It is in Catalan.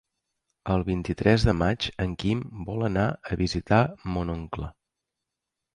El vint-i-tres de maig en Quim vol anar a visitar mon oncle.